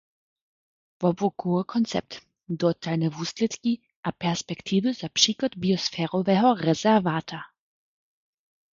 Wobłukowy koncept – dotalne wuslědki a perspektiwy za přichod biosferoweho rezerwata